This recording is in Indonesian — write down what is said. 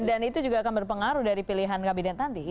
dan itu juga akan berpengaruh dari pilihan kabinet nanti ya